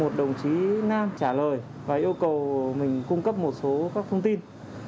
một đồng chí nam trả lời và yêu cầu mình cung cấp một số các thông tin